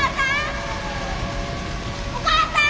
お母さん！